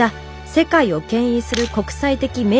世界を牽引する国際的名